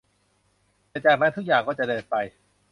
แต่จากนั้นทุกอย่างก็จะเดินไป